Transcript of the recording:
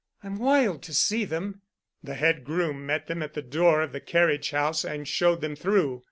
"I'm wild to see them." The head groom met them at the door of the carriage house and showed them through.